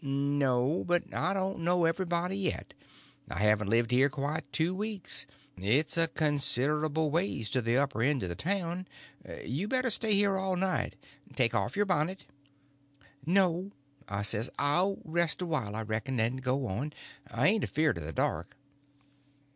"No; but I don't know everybody yet. I haven't lived here quite two weeks. It's a considerable ways to the upper end of the town. You better stay here all night. Take off your bonnet." "No," I says; "I'll rest a while, I reckon, and go on. I ain't afeared of the dark."